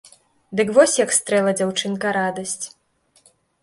Дык вось як стрэла дзяўчынка радасць.